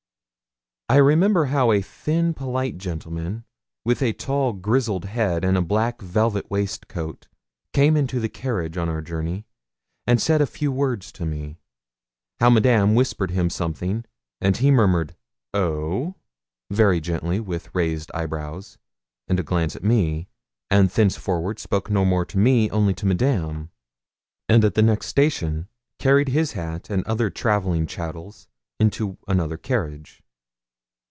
I remembered how a thin polite gentleman, with a tall grizzled head and a black velvet waistcoat, came into the carriage on our journey, and said a few words to me; how Madame whispered him something, and he murmured 'Oh!' very gently, with raised eyebrows, and a glance at me, and thenceforward spoke no more to me, only to Madame, and at the next station carried his hat and other travelling chattels into another carriage.